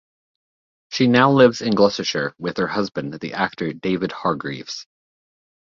She now lives in Gloucestershire with her husband, the actor David Hargreaves.